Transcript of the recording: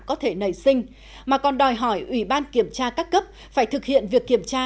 có thể nảy sinh mà còn đòi hỏi ủy ban kiểm tra các cấp phải thực hiện việc kiểm tra